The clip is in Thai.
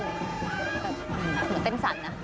เหมือนเต้นสั่นนะ